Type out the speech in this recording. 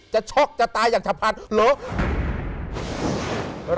จะช็อกจะตายอย่างฉับพันธุ์เหรอ